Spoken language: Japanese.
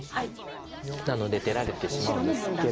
なので出られてしまうんですけど。